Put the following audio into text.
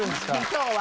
今日は。